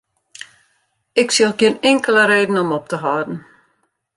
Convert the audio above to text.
Ik sjoch gjin inkelde reden om op te hâlden.